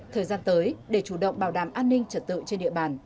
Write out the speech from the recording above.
thời gian tới để chủ động bảo đảm an ninh trật tự trên địa bàn